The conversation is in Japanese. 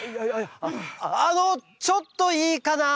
あのあのちょっといいかな？